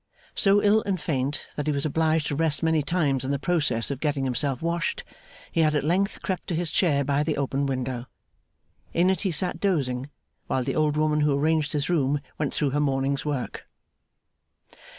So ill and faint that he was obliged to rest many times in the process of getting himself washed, he had at length crept to his chair by the open window. In it he sat dozing, while the old woman who arranged his room went through her morning's work.